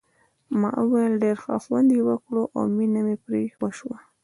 ما وویل ډېر ښه خوند یې وکړ او مینه مې پرې وشوه.